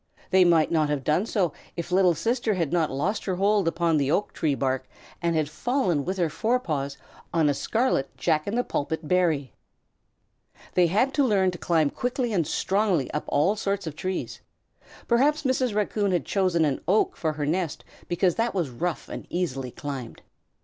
They might not have done so then if Little Sister had not lost her hold upon the oak tree bark and fallen with her forepaws on a scarlet jack in the pulpit berry. They had to learn to climb quickly and strongly up all sorts of trees. Perhaps Mrs. Raccoon had chosen an oak for her nest because that was rough and easily climbed.